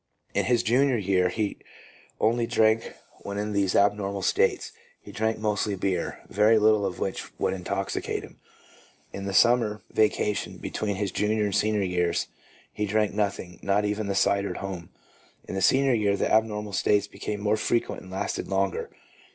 In his junior year he only drank w r hen in these abnormal states. He drank mostly beer, very little of which would intoxicate him. In the summer vacation, between his junior and senior years, he drank nothing, not even the cider at home. In the senior year the abnormal states became more frequent and lasted longer.